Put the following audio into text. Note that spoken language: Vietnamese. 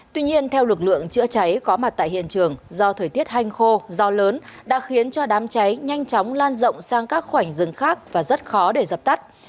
tuy nhiên theo lực lượng chữa cháy có mặt tại hiện trường do thời tiết hanh khô do lớn đã khiến cho đám cháy nhanh chóng lan rộng sang các khoảnh rừng khác và rất khó để dập tắt